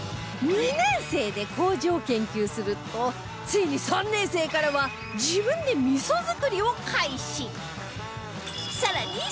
２年生で麹を研究するとついに３年生からは自分で味噌作りを開始